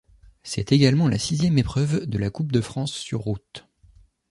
C'est également la sixième épreuve de la Coupe de France sur route.